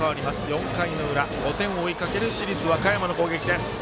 ４回の裏、５点を追いかける市立和歌山の攻撃です。